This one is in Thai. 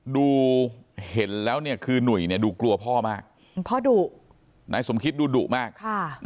ดูเห็นแล้วเนี่ยคือหนุ่ยเนี่ยดูกลัวพ่อมากพ่อดุนายสมคิดดูดุมากค่ะ